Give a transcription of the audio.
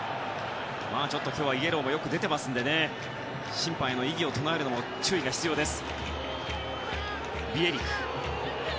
今日はイエローもよく出ていますので審判への異議を唱えるのも注意が必要です。